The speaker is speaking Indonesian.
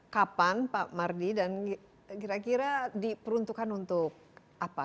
kapan pak mardi dan kira kira diperuntukkan untuk apa